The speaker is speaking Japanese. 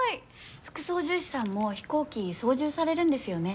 副操縦士さんも飛行機操縦されるんですよね？